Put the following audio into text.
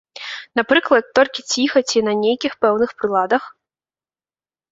Напрыклад, толькі ціха ці на нейкіх пэўных прыладах?